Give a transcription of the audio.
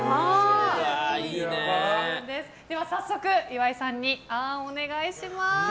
では、岩井さんにあーんをお願いします。